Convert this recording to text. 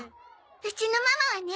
うちのママはね